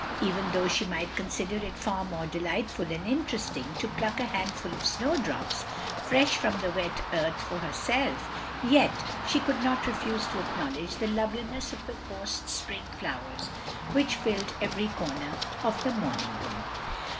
Even though she might consider it far more delightful and interesting to pluck a handful of snowdrops, fresh from the wet earth, for herself, yet she could not refuse to acknowledge the love liness of the forced spring flowers which filled every comer of the moming room.